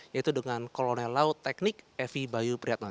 yaitu dengan kolonel laut teknik evi bayu priyatna